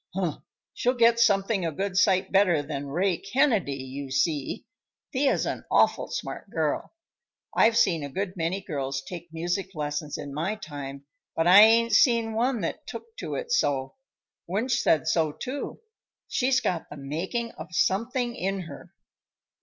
"Huh! She'll get something a good sight better than Ray Kennedy, you see! Thea's an awful smart girl. I've seen a good many girls take music lessons in my time, but I ain't seen one that took to it so. Wunsch said so, too. She's got the making of something in her."